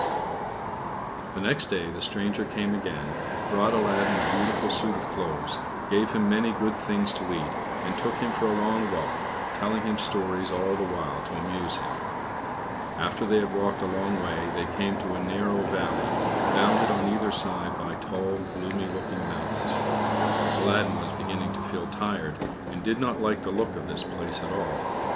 The next day the stranger came again, brought Aladdin a beautiful suit of clothes, gave him many good things to eat, and took him for a long walk, telling him stories all the while to amuse him. After they had walked a long way, they came to a narrow valley, bounded on either side by tall, gloomy looking mountains. Aladdin was beginning to feel tired, and he did not like the look of this place at all.